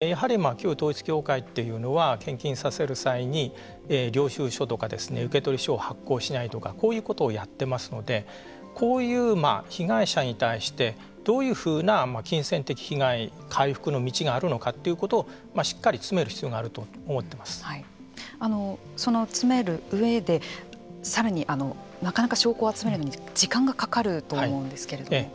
やはり旧統一教会というのは献金させる際に領収書とか受取書を発行しないとかこういうことをやってますのでこういう被害者に対してどういうふうな金銭的被害回復の道があるのかということをしっかり詰める必要があるとその詰める上でさらに、証拠を集めるのに時間がかかると思うんですけれども。